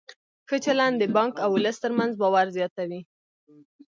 ښه چلند د بانک او ولس ترمنځ باور زیاتوي.